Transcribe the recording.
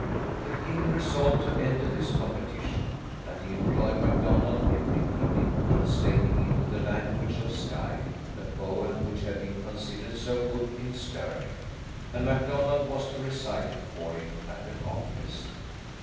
The king resolved to enter this competition, and he employed MacDonald every evening translating into the language of Skye, the poem which had been considered so good in Stirling, and MacDonald was to recite it for him at the contest.